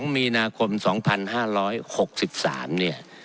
มีนาคม๒๕๖๓เนี่ย